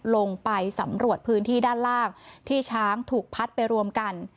ลงไปสำรวจพื้นที่ด้านล่างที่ช้างถูกพัดไปรวมกัน